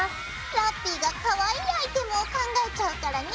ラッピィがかわいいアイテムを考えちゃうからね。